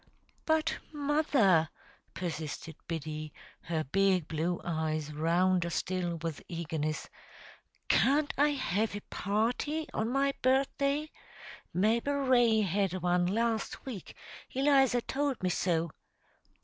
"But, mother," persisted Biddy, her big blue eyes rounder still with eagerness, "can't I have a party on my birthday? Mabel Ray had one last week; Eliza told me so.